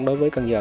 đối với cần giờ